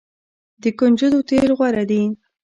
د کنجدو تیل غوره دي.